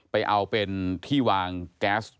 ไปเอาเป็นที่วางแก๊ส